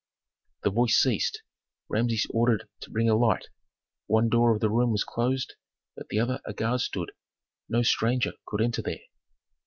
The voice ceased, Rameses ordered to bring a light. One door of the room was closed, at the other a guard stood. No stranger could enter there.